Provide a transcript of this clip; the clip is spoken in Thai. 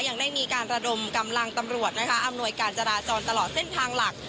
ยังได้มีการระดมกำลังตำรวจนะคะอำนวยการจราจรตลอดเส้นทางหลัก